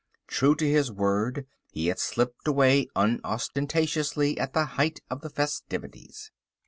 True to his word, he had slipped away unostentatiously at the height of the festivities.